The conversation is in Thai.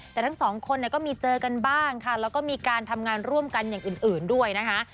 แต่ทั้งสองคนเนี่ยก็มีเจอกันบ้างค่ะแล้วก็มีการทำงานร่วมกันอย่างอื่นด้วยนะคะ